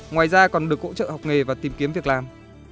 ngoài ra còn được hỗ trợ học nghề và tìm kiếm việc làm